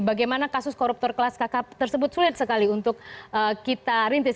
bagaimana kasus koruptor kelas kakak tersebut sulit sekali untuk kita rintis